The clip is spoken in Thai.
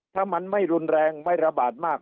ถ้ามันไม่รุนแรงไม่ระบาดมาก